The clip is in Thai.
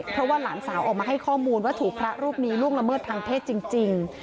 เพราะว่าหลานสาวออกมาให้ข้อมูลว่าถูกพระรูปนี้ล่วงละเมิดทางเพศจริง